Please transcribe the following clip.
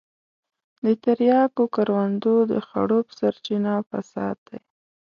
د تریاکو کروندو د خړوب سرچينه فساد دی.